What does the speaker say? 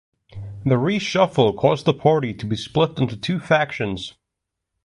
The reshuffle caused the party to be split into two factions.